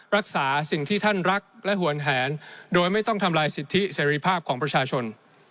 รักษาสิ่งที่ท่านรักและหวนแหนโดยไม่ต้องทำลายสิทธิเสรีภาพของประชาชน